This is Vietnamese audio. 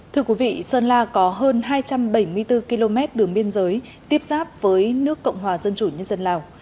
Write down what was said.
thưa quý vị sơn la có hơn hai trăm bảy mươi bốn km đường biên giới tiếp xác với nước cộng hòa dân chủ nhân dân lào